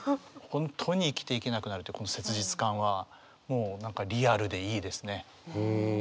本当に生きていけなくなるというこの切実感はもう何かリアルでいいですね。